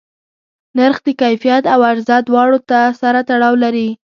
نرخ د کیفیت او عرضه دواړو سره تړاو لري.